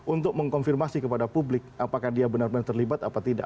untuk mengkonfirmasi kepada publik apakah dia benar benar terlibat atau tidak